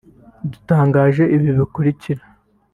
dutangaje ibi bikurikira